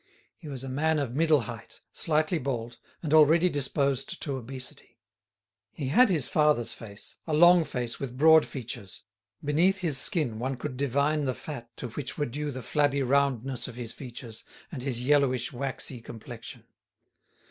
He was a man of middle height, slightly bald, and already disposed to obesity. He had his father's face, a long face with broad features; beneath his skin one could divine the fat to which were due the flabby roundness of his features, and his yellowish, waxy complexion.